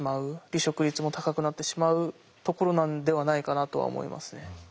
離職率も高くなってしまうところなんではないかなとは思いますね。